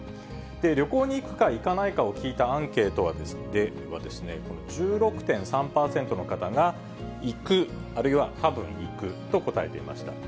旅行に行くか行かないかを聞いたアンケートではですね、１６．３％の方が、行く、あるいはたぶん行くと答えていました。